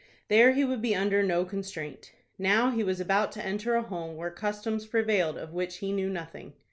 There he would be under no constraint. Now he was about to enter a home where customs prevailed of which he knew nothing.